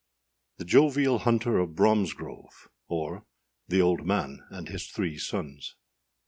â THE JOVIAL HUNTER OF BROMSGROVE; OR, THE OLD MAN AND HIS THREE SONS.